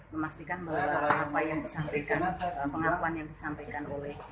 pemeriksaan bergerakan memastikan bahwa apa yang disampaikan